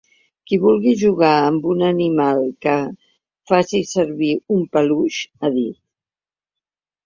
Qui vulgui jugar amb un animal que faci servir un peluix, ha dit.